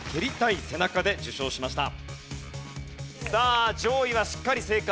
さあ上位はしっかり正解。